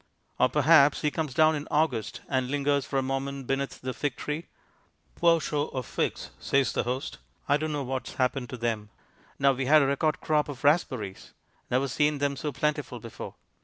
Or, perhaps, he comes down in August, and lingers for a moment beneath the fig tree. "Poor show of figs," says the host, "I don't know what's happened to them. Now we had a record crop of raspberries. Never seen them so plentiful before."